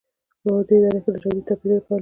په پوځي ادارو کې نژادي توپېرونه پالي.